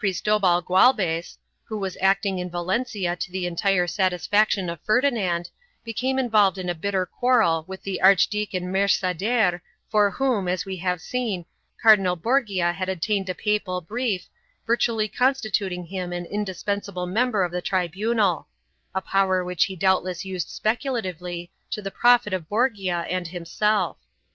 Cristobal Gualbes, who was acting in Valencia to the entire satisfaction of Ferdinand, became involved in a bitter quarrel with the Archdeacon Mercader for whom, as we have seen, Cardinal Borgia had obtained a papal brief, virtually constituting him an indispensable member of the tribunal — a power which he doubtless used speculatively to the profit of Borgia and himself.